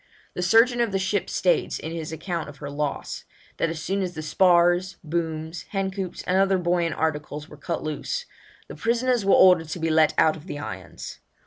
The surgeon of the ship states, in his account of her loss, that as soon as the spars, booms, hen coops, and other buoyant articles were cut loose, 'the prisoners were ordered to be let out of irons.'